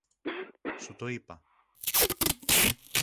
Σου το είπα